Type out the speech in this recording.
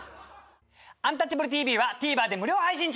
「アンタッチャブるＴＶ」はＴＶｅｒで無料配信中！